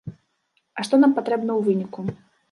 А што нам патрэбна ў выніку?